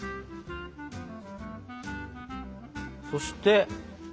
そして。